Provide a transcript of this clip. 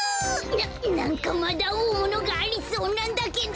ななんかまだおおものがありそうなんだけど！